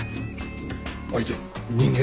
相手人間？